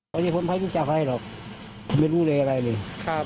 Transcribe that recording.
วันนี้ผมไม่รู้จักอะไรหรอกผมไม่รู้เลยอะไรเลย